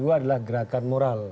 adalah gerakan moral